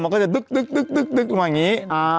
มันก็จะตึ๊กลงมาอย่างนี้